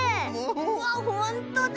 うわっほんとだ！